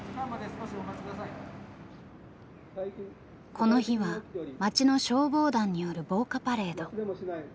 この日は町の消防団による防火パレード。